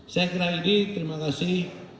saya kira ini terima kasih